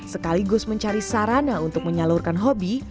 sekaligus mencari sarana untuk menyalurkan hobi